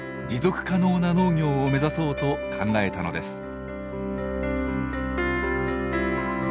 持続可能な農業を目指そうと考えたのです。